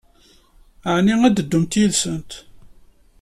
Ɛni ad teddumt yid-sent?